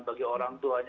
bagi orang tuanya